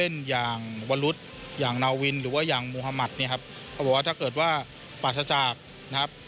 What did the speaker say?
นาวินหรือว่าอย่างมุธมัตต์เนี่ยครับเขาบอกว่าถ้าเกิดว่าปราศจากนะครับ